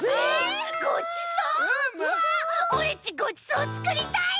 うわオレっちごちそうつくりたい！